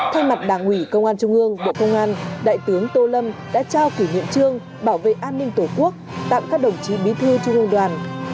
thay mặt đảng ủy công an trung ương bộ công an đại tướng tô lâm đã trao kỷ niệm trương bảo vệ an ninh tổ quốc tặng các đồng chí bí thư trung ương đoàn